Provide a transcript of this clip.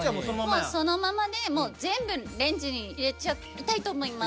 もうそのままでもう全部レンジに入れちゃいたいと思います。